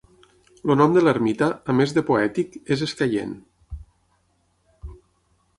El nom de l'ermita, a més de poètic, és escaient.